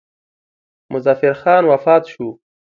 مظفر خان وفات شو.